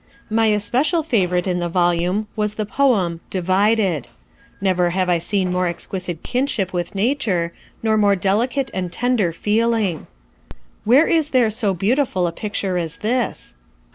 My especial favorite in the volume was the poem Divided. Never have I seen more exquisite kinship with nature, or more delicate and tender feeling. Where is there so beautiful a picture as this?